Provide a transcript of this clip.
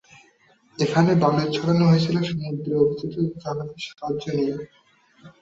এখানে, বালু ছড়ানো হয়েছিল সমুদ্রে অবস্থিত জাহাজের সাহায্য নিয়ে।